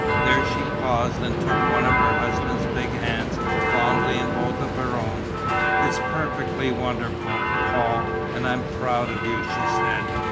There she paused and took one of her husband's big hands fondly in both her own. "It's perfectly wonderful, Paul and I'm proud of you!" she said.